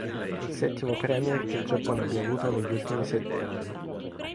È il settimo premier che il Giappone abbia avuto negli ultimi sette anni.